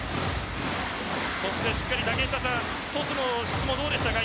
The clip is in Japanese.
そして、しっかり竹下さんトスの質もどうでしたか。